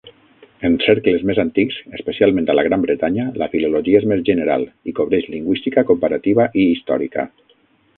En cercles més antics, especialment a la Gran Bretanya, la filologia és més general, i cobreix lingüística comparativa i històrica.